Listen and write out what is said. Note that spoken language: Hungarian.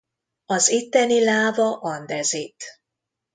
Az itteni láva andezit.